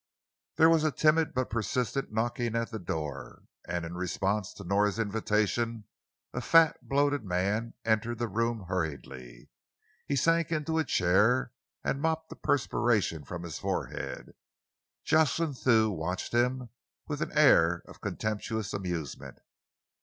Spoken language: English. There was a timid but persistent knocking at the door, and, in response to Nora's invitation, a fat and bloated man entered the room hurriedly. He sank into a chair and mopped the perspiration from his forehead. Jocelyn Thew watched him with an air of contemptuous amusement.